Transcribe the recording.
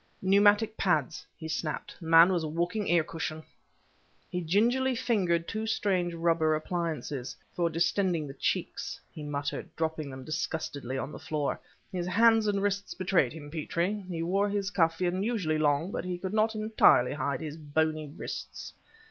"Pneumatic pads!" he snapped. "The man was a walking air cushion!" He gingerly fingered two strange rubber appliances. "For distending the cheeks," he muttered, dropping them disgustedly on the floor. "His hands and wrists betrayed him, Petrie. He wore his cuff unusually long but he could not entirely hide his bony wrists.